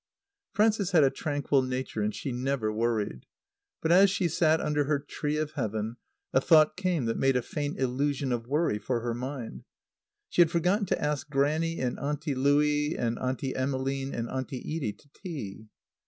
Frances had a tranquil nature and she never worried. But as she sat under her tree of Heaven a thought came that made a faint illusion of worry for her mind. She had forgotten to ask Grannie and Auntie Louie and Auntie Emmeline and Auntie Edie to tea.